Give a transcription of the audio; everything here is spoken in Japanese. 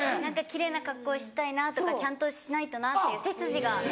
奇麗な格好したいなとかちゃんとしないとなっていう背筋が。